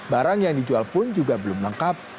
barang yang dijual pun juga belum lengkap